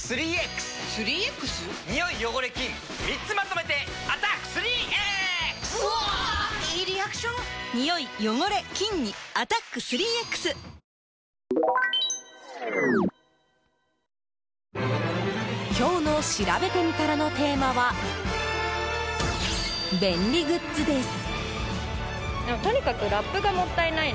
このあと気温の変化が今日のしらべてみたらのテーマは便利グッズです。